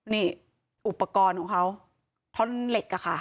นี่อุปกรณ์ของเขาท่อนเหล็กอะค่ะ